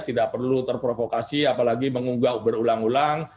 tidak perlu terprovokasi apalagi mengunggau berulang ulang